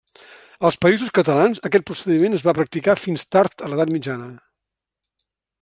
Als Països Catalans, aquest procediment es va practicar fins tard a l'Edat Mitjana.